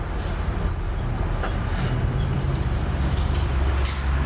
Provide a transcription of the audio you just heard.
แล้วคุณป้าบอกรถคันเนี้ยเป็นรถคู่ใจเลยนะใช้มานานแล้วในการทำมาหากิน